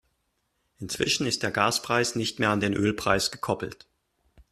Inzwischen ist der Gaspreis nicht mehr an den Ölpreis gekoppelt.